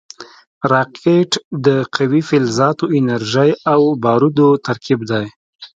راکټ د قوي فلزاتو، انرژۍ او بارودو ترکیب دی